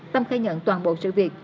tâm khai nhận toàn bộ sự việc